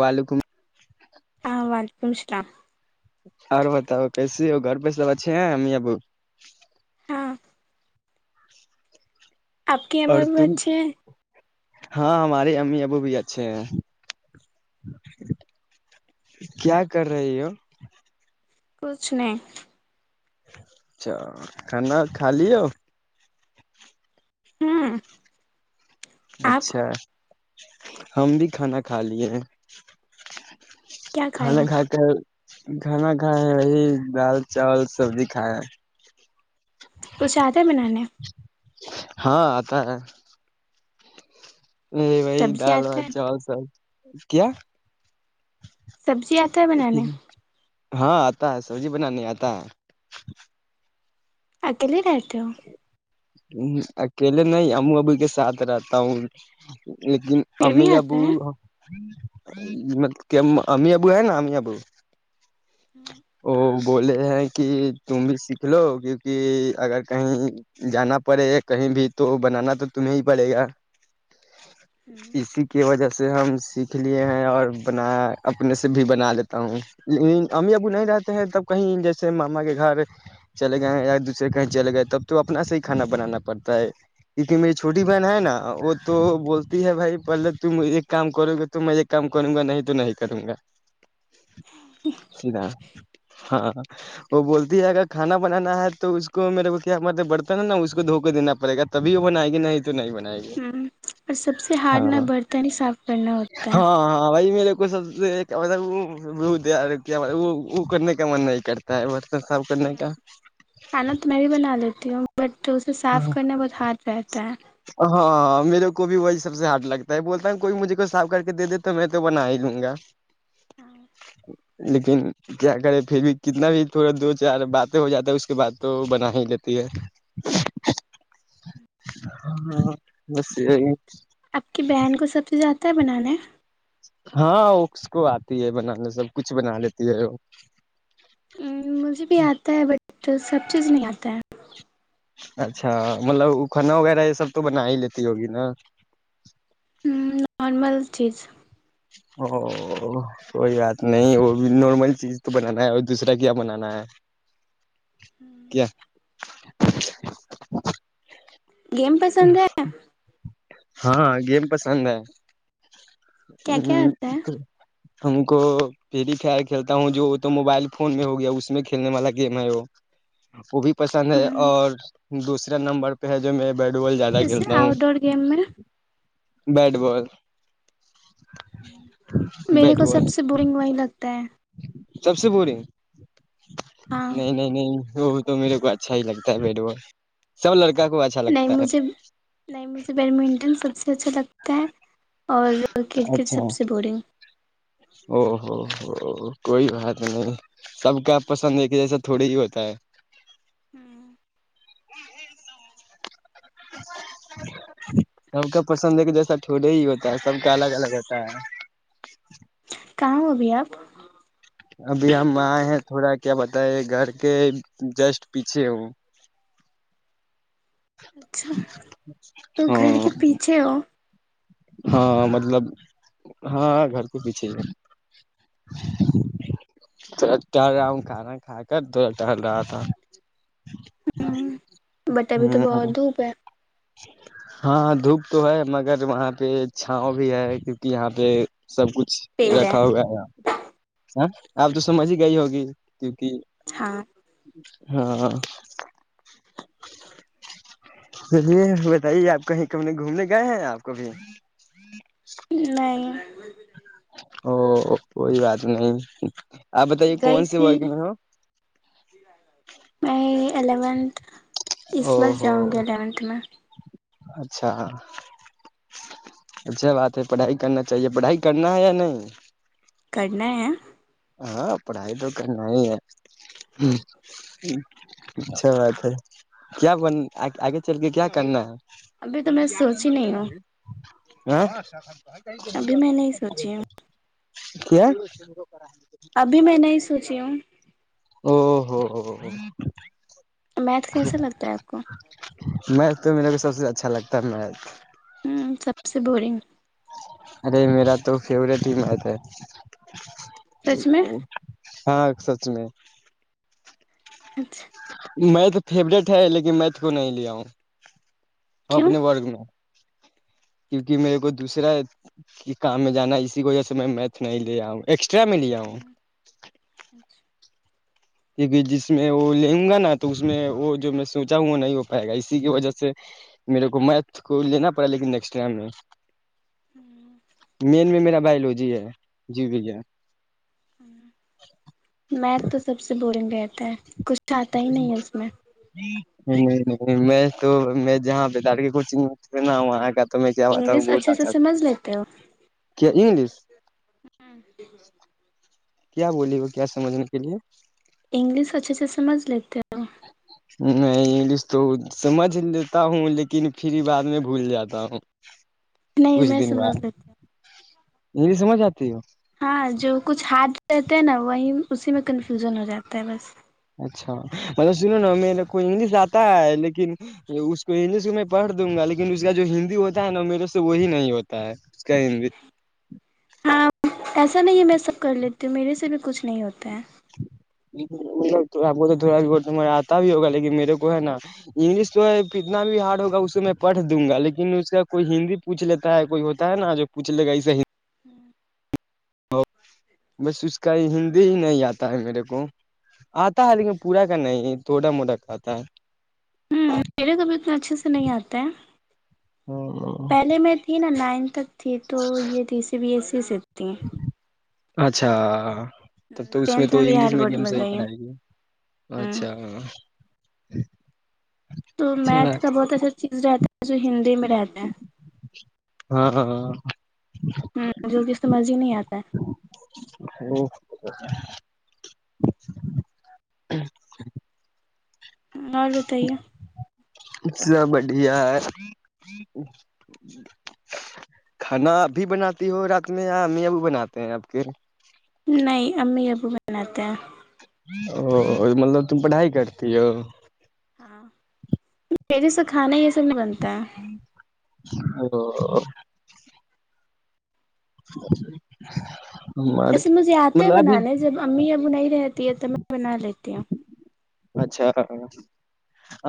ولکم ہاں [unintelligible] اورر بتاؤ کیسی ہو گھر پہ سب اچھے ہیں امی ابو [unintelligible] آپ کی امی اور ابو تم اچھی ہیں ہاں ہمارے امی ابو بھی اچھے ہیں کیا کر رہی ہو کچھ نہیں اچھا کھانا کھا لیو ہم اچھا ہم بھی کھانا کھا لیے ہیں کیا کھائے خانا ہو خاکے کھانا کھائے وہی دال چاول سبزی کھائے ہیں کچھ آتے بنانے ہاں آتا ہیں نہیں بھائی سبزی دال آتا وال ہے چاول سب کیا سبزی آتا ہے بنانے ہاں آتا ہیں سبزی بنانی آتا ہیں اکیلے رہتے ہو اکیلے میں امو ابو کے ساتھ رہتا ہوں لیکیں پھر امی بھی ابو آتا ہے مط ام امی ابو ہیں نا امی ابو وہ [unintelligible] بولے ہیں کہ تم بھی سیکھ لو کیوںکہ اگر کہیں جانا پڑے کہیں بھی تو بنانا تو تمہیں ہی پڑے گا اسیی کی وجہ سے سے ہم سیکھ لیے ہیں اور بنا اپنے سے بھی بنا لیتا ہوں لیکن امی ابو نہیں رہتے ہیں تب کہیں جیسے ماما کے گھر چل گئے ہیں یا دوسرے کے کہیں چلے گئے تب تو اپنا سے ہی کھانا بنانا پڑتا ہے کیونکہ میری چھوٹی بہن ہے نا وہ تو بولتی ہے بھائی پہلے تم ایک کام کرو گے تو میں ایک کام کروں گا نہیں تو نہیں کروں گا سیدھا [unintelligible] ہاں وہ بولتی ہے اگر کھانا بنانا ہیں تو اس کو میرے کو کیا مب برتن ہے نا اس کو دھو کے دینا پڑے گا تبھی وہ بنائے گی نہیں تو نہیں بنائے گی ہم اور سب سے ہاں ہارڈ نہ برتن ہی صاف کرنا ہوتا ہے ہاں ہاں [unintelligible] کیا بھای وہ وہ کرنے کا من نہیں کرتا ہیں ہم کھانا تو میں بھی بنا لیتی ہوں بٹ اسے صاف ہاں کرنا بہت ہاٹ رہتا ہیں ہاں میرے کو بھی وہی سب سے ہٹ لگتا ہے بولتا ہے کوئی مجھے کوئی صاف کر کے دے دے تو میں تو بنا ہی ہوں گا ہ [unintelligible] لیکن کیا کریں پھر بھی کتنا بھی تھوڑا دو چار باتیں ہو جاتا ہے اس کے بعد تو بنا کرتی ہے ہاں بس ا اپ کی بہن کو سب سے زیادہ کت بنانان ہے تھا اس کو اتی ہے بنانے سب کچھ بنا لیتی ہے مجھے بھی اتا ہے با تو سب چیز میں اتا ہے اچھا مطلب کنا وغیرہ یہ سب تو بنا ہی لیتی ہوگی نا نارمل چیز او کوئی بات نہیں چیز تو بنانا ہے اور دوسرے کیا بنانا ہے کیا [inaudible] گیم پسند ہے ہاں گیم پسند ہے ہ کیا کیا آتا تو [unintelligible] ہے ہم تم کو میری خیر کرتا ہوں جو وہ تو موبائل فون میں ہو گیا اس میں کھیلنے والا گیم ہے وہ بھی پسند ہے ہ اور دوسروں نمبر پہ ہےجو میں بیٹ بال زیادہ جیسے کھیلتا ہوں اؤٹ ڈور گیم میں بیٹ بال میرے بیٹ کو سب سے بورنگ وہی لگتا ہے سبسی بورنگ ہاں نہیں نہیں نہیں وہ تو میرے کو اچھا ہی لگتا ہے بیٹ بال سب لڑکی نہیں مجھے نہیں مجھے بیڈمنٹن سب سے اچھا للاگت کہ اور کرکٹ سب اچھا سے بورنگ ا کوئی بات نہیں سب کا پسند ایک جیسا تھوڑے ہی ہوتا ہے ہم ہاں سب کا پسند ہے کہ جیسا ٹھوولے ہی ہوتا ہے سب کا الگ الگ ہوتا ہے کہاں ابھی آپ ابھی ہم آئے ہیں تھوڑا کیا بتا ب گھر کے جسٹ پیچھے ہوں اچھا تو گھر کے ہاں پیچھے ہوں ہاں مطلب ہاں گھر کے پیچھے ہے تھوڑا ٹہل رہا ہوں۔ کھانا کھا کر تھوڑا ٹہل رہا تھا۔ ہممم بٹ بھی تو ہ بہت دھوپ ہے۔ ہاں دھوپ تو ہے مگر وہاں پہ چھاؤں بھی ہے کیونکہ یہاں پہ۔۔۔۔ سب کچھ رکھا ہوا ہے یہاں۔۔۔۔ آپ تو سمجھ ہی گئی ہوگی کیونکہ۔۔ ہاں۔ ہاں۔ یہ بتائیے آپ کہیں کبھی گھومنے گئے ہیں آپ کبھی؟ نہیںائ او کوئی بات نہیں آپ بتائیے کون گئی سےی تھی ورگ میں ہو میں الیونتھ اس او بار ہو جاؤں گی الیونتھ میں اچھا اچھا بات ہے پڑھائی کرنا چاہیے پڑھائی کرنا ہے یا نہیں کرنا ہے ہے ہاں پڑھائی تو کرنا ہی ہے اچھا بات ہے کیا بن آگے چل کے کیا کرنا ہے ابھی تو اگر ت میں ج ہم سوچی چے نہیں ہوں بالے [unintelligible] ہاں د ابھی میں نہیں سوچی ہوں [inaudible] کیا ابھی میں نہیں سوچی ہوں او ہو ہو میتھ کیسا لگتا ہے آپ کو میتھ تو میرے کو سب سے اچھا لگتا ہے می ہ سب سے بورنگ ارے میرا تو فیوریٹ ٹیم ہے تھ سچ میں ا ہاں سچ میں اچھا میں تو فیوریٹ ہے لیکن میںت کو نہیں لیا ہوں کیوں اپنے ورگ میں کیونکہ میرے کو دوسرا کام میں جانا ہے اسی کی وجہ سے میں میتھ نہیں لے آؤ ہوں اچھا کیونکہ جس میں وہ لےوں گا نا تو اس میں وہ جو میں سوچا ہوں وہ نہیں ہو پائے گا اسی کی وجہ سے میرے کو میتھ کو لینا پڑا لیکن نیکسٹ ٹائم میں مین میں میرا بایولوجی ہے جی بھیا میں تو سب سے بورنگ رہتا ہے کچھ چاہتا ہی نہیں ہے اس میں نہیں نہیں میں تو میں جہاں بتاڑ کے کوچنگ میں ن وہاں کا تو میں کیا ہوتا انگلش اچھے سے بتاا سمجھ لیتے ہو کیاگلش [inaudible] [inaudible] کیا بولی وہ؟ کیا سمجھنے کے لیے؟ انگلش اچھے سے سمجھ لیتے ہو؟ نہیں انگلش تو سمجھ لیتا ہوں لیکن پھر بعد میں بھول جاتا ہوں۔ نہیں کچھ میں دن سمجھ بعد لیتا ہوں۔ انگلش سمجھ ا۔۔۔ ہاں جو کچھ ہاتھ۔۔ کہتے ہیں نا اسی میں کنفیوزن ہو جاتا ہے بس۔ اچھا مطلب سنو نا میرے کو انگلش اتا ہے لیکن اس کو میں پڑھ دوں گا لیکن اس کا جو ہندی ہوتا ہے نا میرے سے وہی نہیں ہوتا ہے۔ اس کا ہندی۔ ہاں ایسا نہیں ہے میں سب کر لیتی ہوں۔ میرے سے بھی کچھ نہیں ہوتا ہے۔ تھوڑا بہت ہمیں اتا بھی ہوگا لیکن میرے کو ہ پڑھ دوں گانا انگلش تو ہے کتنا بھی ہارڈ ہوگا اسے میں پڑھ دوں گا لیکن اس کا کوئی ہندی پوچھ لیتا ہے کوئی ہوتا ہے نا جو پوچھ لے گا ایسا ہی۔۔۔۔۔ بس اس کا ہندی ہی نہیں اتا ہے میرے کو۔ اتا ہے لیکن پورا کا نہیں۔ تھوڑا موٹا کا اتا ہے۔ میرے کو بھی اتنا اچھے سے نہیں اتا ہ۔ ہے پہلے میں تھی نا۔۔ [unintelligible] تھی تو یہ سی بی ایس سی۔۔۔ [unintelligible] [unintelligible] اچھا۔ تب تو اس میں ٹینتھ تو انگلش بہار بورڈ میڈیم میں سے ہی گئی پڑھائے گی۔ ہوں اچھا۔۔ [unintelligible] تو میتھ کا بہت اچھا چیز رہتا ہے جو ہندی میں رہتا ہیں۔ ہاں ہاں۔ ہممم جلدی سمجھ ہی نہیں اتی۔۔ [unintelligible] [unintelligible] [unintelligible] اور بتائیے؟ سب بڑھیا ہے۔ کھانا ابھی بناتے ہو رات میں یا امی ابو بناتے ہیں اپ کے؟ نہیں [unintelligible] او او مطلب تم پڑھائی کرتی ہو۔ ہاں میرے سے کھانا۔۔۔۔ نہیں بنتا ہے۔ [unintelligible] [unintelligible] اس میں زیادتی مطلب ابھی بنانے جب امی ابو نہیں رہ تی جی یہ تو میں بنا لیتی ہوں اچھا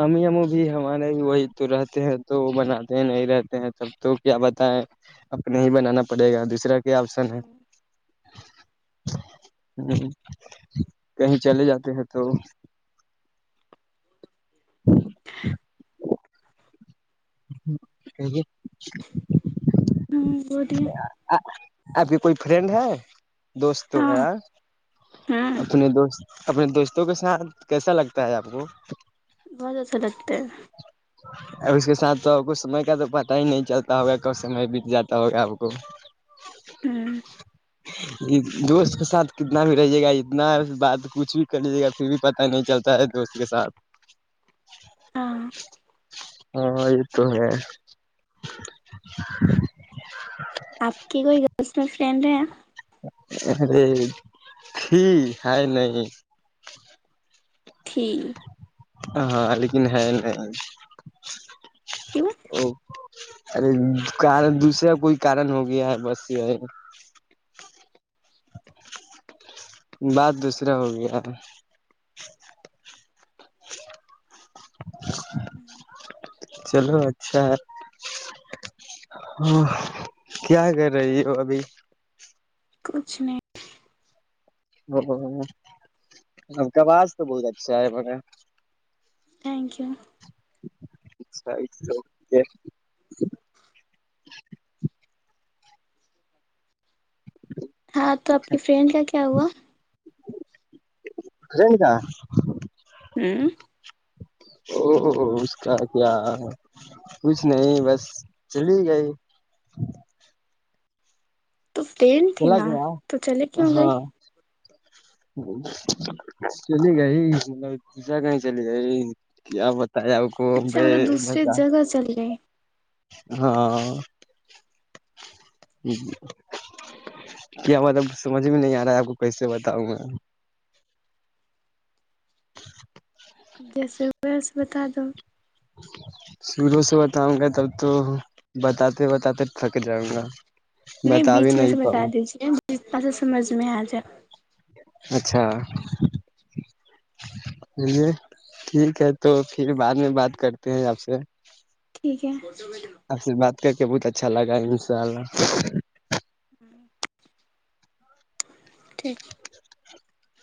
امی ہمارا بھی وہی اتراتے ہیں تو وہ بناتے ہیں نہیں رہتے ہیں تب تو کیا بتائیں اپنے ہی بنانا پڑے گا دوسرا کے اپشن ہے کہیں چلے جاتے ہیں تو [unintelligible] [inaudible] [inaudible] ہوں بولیے ایسی کوئی فرینڈ ہے دوست تو ہاں ہیں ہوں اپنے دوست اپنے دوستوں کے ساتھ کیسا لگتا ہے اپ کو بہت اچھا لگتا ہے اب اس کے ساتھ کچھ سمے کا تو پتہ ہی نہیں چلتا ہوگا کون سے میں بت جاتا ہوگا اپ کو ہوں دوست کے ساتھ کتنا بھی رہیے گا اتنا بات کچھ بھی کری پتہ نہیں چلتا ہے تو اس کے ساتھ [inaudible] ہاں وہی تو ہے اپ کی مسلم فرینڈ ہے ارے جی ہے نہیں ٹھیک ہاں لیکن ہے نہیں [unintelligible] ارے نہیں کارن دوسرا کوئی کارن ہو گیا ہے بس یہی بس دوسرا ہو گیا چلو اچھا ہے کیا کر رہی ہو ابھی کچھ نہیں اپ کا اواز تو بہت اچھا ہے مگر تھینک یو [inaudible] [unintelligible] ہہ اپ تو اپ کی فرینڈ کا کیا ہوا فرینڈ کا ہ اس کا کیا کچھ نہیں بس چلی گئی تو فرینڈ تھی چلا نا گیا چلی کیوں گئی ہاں [inaudible] کو اچھا دوسرے جگہ چل رہے ہیں ہا ںسمجھ میں نہیں ا رہا اپ کو کیسے بتاؤں میں جیسے ہی ویسے بتا دو شروع سے بتاؤں گا تب تو بتاتے بتاتے تھک جاؤں گا نہیں بتا بیچ بھی میں سے بتا پاؤں دی ہے جتنا سمجھ میں ائے اچھا چلیے ٹھیک ہے تو پھر بعد میں بات کرتے ہیں اپ سے ٹھیک ہے [inaudible] [inaudible] [inaudible] [unintelligible]